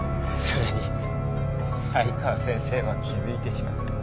それに才川先生は気づいてしまった。